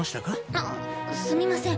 あっすみません。